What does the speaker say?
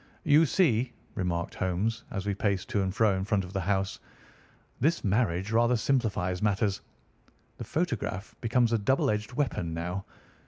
"You see," remarked Holmes, as we paced to and fro in front of the house, "this marriage rather simplifies matters. The photograph becomes a double edged weapon now.